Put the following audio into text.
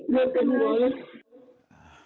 มีเป็นเวอร์